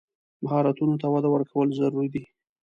مهارتونو ته وده ورکول ضروري دي.